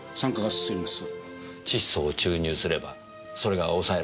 窒素を注入すればそれが抑えられる。